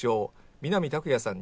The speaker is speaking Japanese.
南拓哉さん